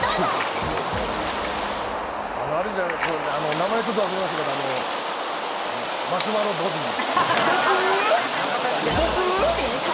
名前ちょっと忘れましたけど、マシュマロボディー？